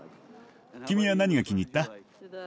君は何が気に入った？